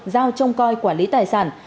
giao trông coi quản lý tài sản